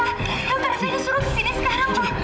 dokter fadli disuruh ke sini sekarang pa